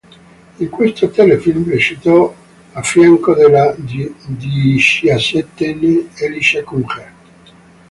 In questo telefilm recitò a fianco della diciassettenne Elisha Cuthbert.